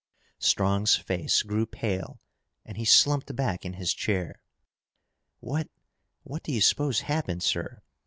Strong's face grew pale and he slumped back in his chair. "What what do you suppose happened, sir?"